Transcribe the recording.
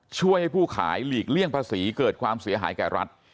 ช่วยให้ผู้ขายหลีกเลี่ยงภาษีเกิดความเสียหายแก่รัฐ